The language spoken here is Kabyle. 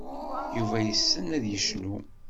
Yuba yessen ad yecnu.